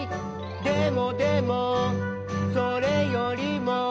「でもでもそれよりも」